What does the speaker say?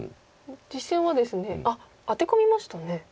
実戦はですねあっアテ込みましたね。